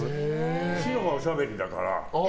志乃がおしゃべりだから。